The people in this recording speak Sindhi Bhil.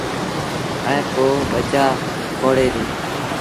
ائيٚݩ پو ٻچآ ڦوڙي ديٚ۔